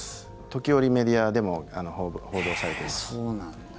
時折、メディアでも報道されています。